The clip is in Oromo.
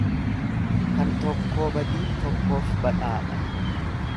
Kan tokkoo badii tokkoof badhaadha.